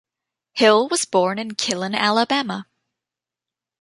Hill was born in Killen, Alabama.